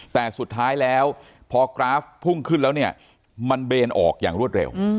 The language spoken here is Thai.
แต่สุดท้ายแล้วพอกราฟพุ่งขึ้นแล้วเนี่ยมันเบนออกอย่างรวดเร็ว